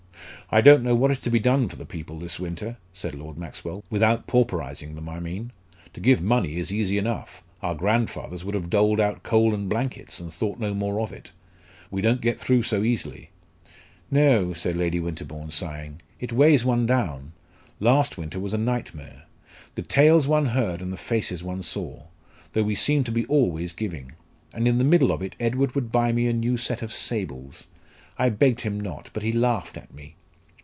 "I don't know what is to be done for the people this winter," said Lord Maxwell, "without pauperising them, I mean. To give money is easy enough. Our grandfathers would have doled out coal and blankets, and thought no more of it. We don't get through so easily." "No," said Lady Winterbourne, sighing. "It weighs one down. Last winter was a nightmare. The tales one heard, and the faces one saw! though we seemed to be always giving. And in the middle of it Edward would buy me a new set of sables. I begged him not, but he laughed at me."